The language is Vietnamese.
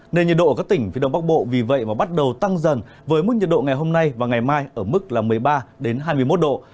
nên nhiệt độ ở các tỉnh phía đông bắc bộ vì vậy mà bắt đầu tăng dần với mức nhiệt độ ngày hôm nay và ngày mai ở mức một mươi ba hai mươi một độ